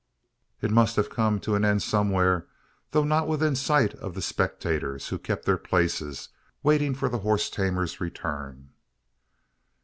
It must have come to an end somewhere; though not within sight of the spectators, who kept their places, waiting for the horse tamer's return.